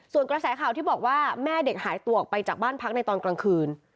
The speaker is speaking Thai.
ส่วนกระแสข่าวที่บอกว่าแม่เด็กหายตัวออกไปจากบ้านพักในตอนกลางคืน